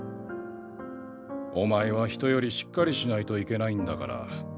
お前は人よりしっかりしないといけないんだから。